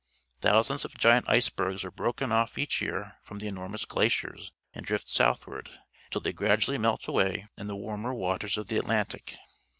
Thousands of giant icebergs are broken off each year from the enormous glaciers and drift southward, until they gradually melt away in the warmer waters of the Atlantic.